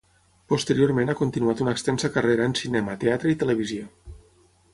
Posteriorment ha continuat una extensa carrera en cinema, teatre i televisió.